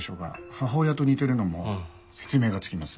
母親と似てるのも説明がつきます。